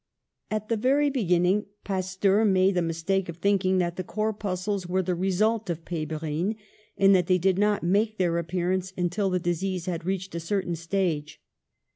At the very beginning Pasteur made the mis take of thinking that the corpuscles were the result of pebrine and that they did not make their appearance until the disease had reached a certain stage.